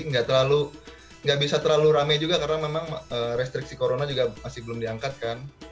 nggak terlalu rame juga karena memang restriksi corona juga masih belum diangkat kan